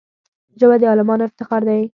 ژبه د عالمانو افتخار دی